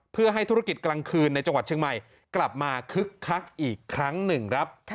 เพื่อให้ธุรกิจกลางคืนในจังหวัดเชียงใหม่กลับมาคึกคักอีกครั้งหนึ่งครับ